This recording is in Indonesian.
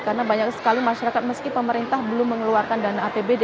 karena banyak sekali masyarakat meski pemerintah belum mengeluarkan dana apbd